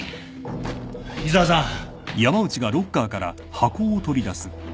井沢さん。